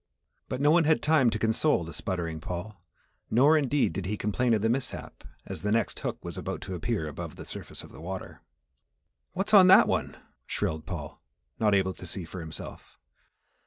But no one had time to console the sputtering Paul, nor indeed, did he complain of the mishap, as the next hook was about to appear above the surface of the water. "What's on that one?" shrilled Paul, not able to see for himself.